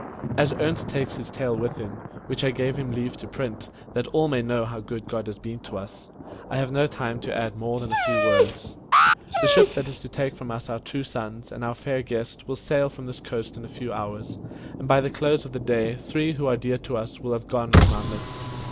As Ernest takes this Tale with him which I gave him leave to print, that all may know how good God has been to us I have no time to add more than a few words. The ship that is to take from us our two sons and our fair guest will sail from this coast in a few hours, and by the close of the day three who are dear to us will have gone from our midst.